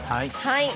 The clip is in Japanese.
はい。